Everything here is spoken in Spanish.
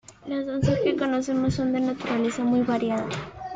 Las danzas que conocemos son de naturaleza muy variada.